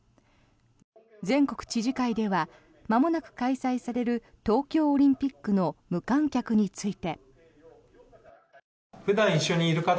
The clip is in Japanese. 全国知事会ではまもなく開催される東京オリンピックの無観客について。